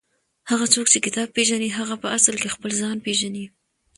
هغه څوک چې کتاب پېژني هغه په اصل کې خپل ځان پېژني.